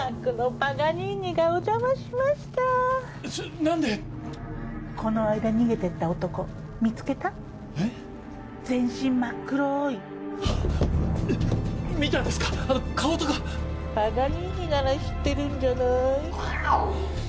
パガニーニなら知ってるんじゃない？